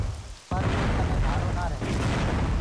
پر اُرو ڪني ڀآڙو نآ رهي۔